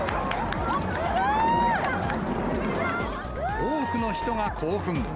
多くの人が興奮。